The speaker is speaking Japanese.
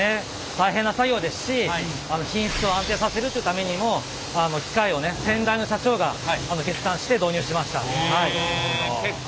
大変な作業ですし品質を安定させるっていうためにも機械をね先代の社長が決断して導入しました。